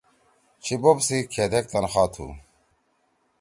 چھی بوپ سی کھیدیک تنخواہ تُھو؟